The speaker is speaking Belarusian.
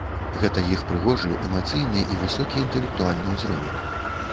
Гэта іх прыгожы, эмацыйны і высокі інтэлектуальны ўзровень.